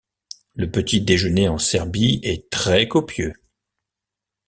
Le petit déjeuner en Serbie est très copieux.